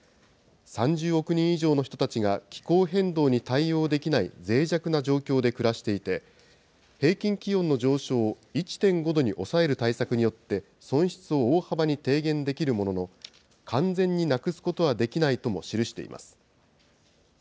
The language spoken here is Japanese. ３０億人以上の人たちが、気候変動に対応できないぜい弱な状況で暮らしていて、平均気温の上昇を１．５度に抑える対策によって、損失を大幅に低減できるものの、完全になくすことはできないとも記しています。